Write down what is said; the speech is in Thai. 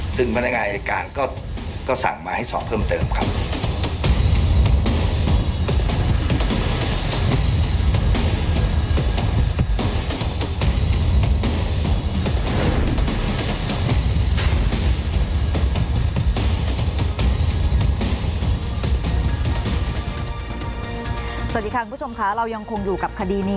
ซึ่งพนักงานอายการก็สั่งมาให้สอบเพิ่มเติมครับ